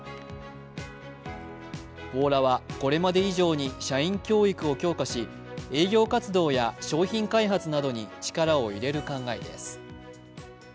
ポーラはこれまで以上に社員教育を強化し営業活動や商品開発などに力を入れる考えです。